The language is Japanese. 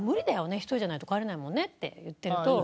１人じゃないと帰れないもんね」って言ってると。